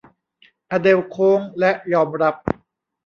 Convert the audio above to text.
อเดลล์โค้งและยอมรับ